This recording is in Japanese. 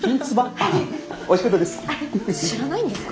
知らないんですか？